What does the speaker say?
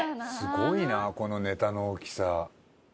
すごいなこのネタの大きさ。